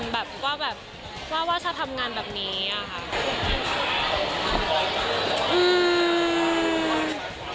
แบบว่าแบบว่าถ้าทำงานแบบนี้อะค่ะ